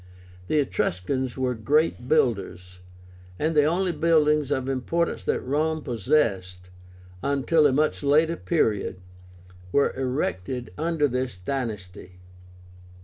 The Etruscans were great builders, and the only buildings of importance that Rome possessed, until a much later period, were erected under this dynasty.